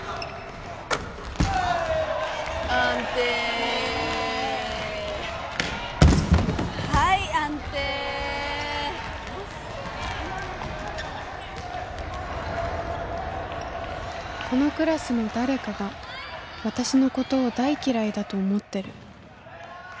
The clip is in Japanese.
安定はい安定このクラスの誰かが私のことを大嫌いだと思ってる